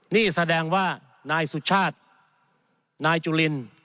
นี่แสดงว่านายสุชาตินายจุลิน